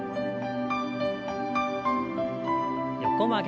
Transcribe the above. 横曲げ。